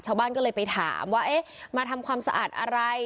ชาวบ้านก็เลยไปถามว่าเอ๊ะมาทำความสะอาดอะไร